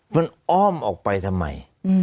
มันอ้อมออกไปทำไม